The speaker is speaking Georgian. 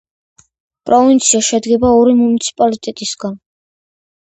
პროვინცია შედგება ორი მუნიციპალიტეტისგან.